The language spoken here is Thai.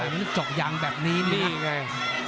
มันจบยังแบบนี้นี่ไง